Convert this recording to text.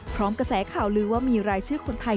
กระแสข่าวลือว่ามีรายชื่อคนไทย